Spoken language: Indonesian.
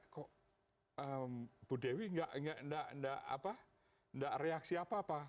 kok bu dewi tidak reaksi apa apa